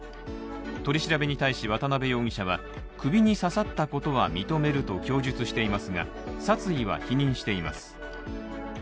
取り調べに対し、渡辺容疑者は首に刺さったことは認めると供述していますが殺意は否認しています。